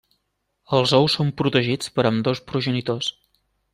Els ous són protegits per ambdós progenitors.